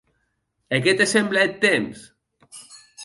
E qué te semble eth temps?